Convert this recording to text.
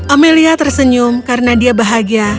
amelia tersenyum karena dia bahagia